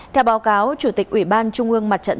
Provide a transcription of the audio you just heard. theo báo cáo chủ tịch ủy ban trung ương mặt trận